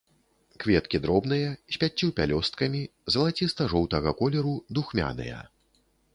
Кветкі дробныя, з пяццю пялёсткамі, залаціста-жоўтага колеру, духмяныя.